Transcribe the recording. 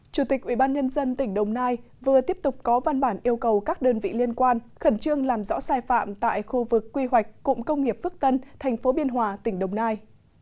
chủ tịch ubnd tỉnh đồng nai vừa tiếp tục có văn bản yêu cầu các đơn vị liên quan khẩn trương làm rõ sai phạm tại khu vực quy hoạch cụm công nghiệp phước tân thành phố biên hòa tỉnh đồng nai